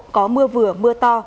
có mưa vừa mưa to